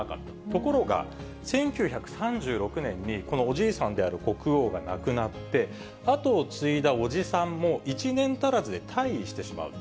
ところが、１９３６年に、このおじいさんである国王が亡くなって、後を継いだ伯父さんも１年足らずで退位してしまう。